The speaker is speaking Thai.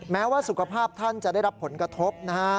แม้ว่าสุขภาพท่านจะได้รับผลกระทบนะฮะ